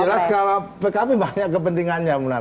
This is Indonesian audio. yang jelas kalau pkb banyak kepentingannya muna